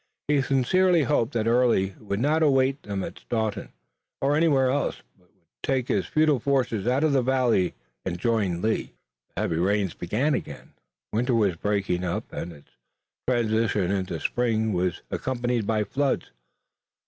He sincerely hoped that Early would not await them at Staunton or anywhere else, but would take his futile forces out of the valley and join Lee. The heavy rains began again. Winter was breaking up and its transition into spring was accompanied by floods.